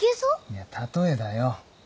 いやたとえだよ。